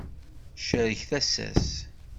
Tcerreg tasa-s.